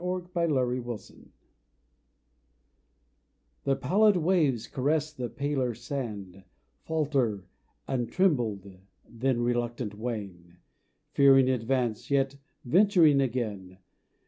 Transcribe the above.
THE BATTLE The pallid waves caress the paler sand, Falter and tremble, then reluctant wane, Fearing advance, yet venturing again.